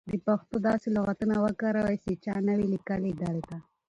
د پښتو داسې لغاتونه وکاروئ سی چا نه وې لیکلي دلته.